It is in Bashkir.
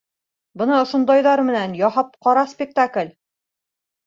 Бына ошондайҙар менән яһап ҡара спектакль!